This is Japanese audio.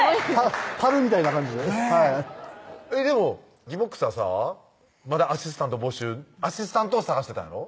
たるみたいな感じでねっでもぎぼっくすはさまだアシスタント募集アシスタントを探してたんやろ？